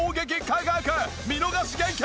見逃し厳禁！